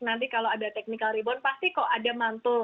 nanti kalau ada technical rebound pasti kok ada mantul